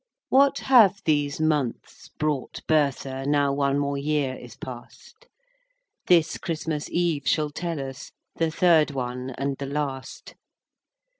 What have these months brought Bertha Now one more year is past? This Christmas Eve shall tell us, The third one and the last.